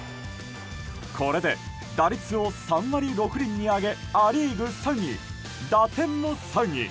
これで打率を３割６厘に上げア・リーグ３位、打点も３位。